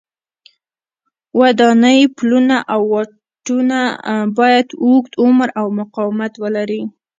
ودانۍ، پلونه او واټونه باید اوږد عمر او مقاومت ولري.